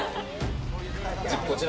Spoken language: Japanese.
こちら。